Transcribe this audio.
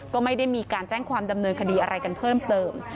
ก็ไม่ได้มีการแจ้งความดำเนินคดีอะไรกันเพิ่มเติม